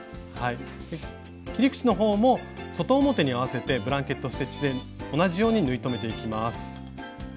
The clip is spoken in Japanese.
切り口の方も外表に合わせてブランケット・ステッチで同じように縫い留めていきます。